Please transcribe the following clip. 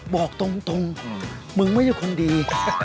บอกตรงมึงไม่ใช่คนดี